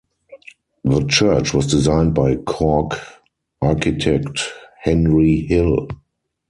The church was designed by Cork architect Henry Hill.